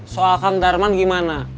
soal kandarman gimana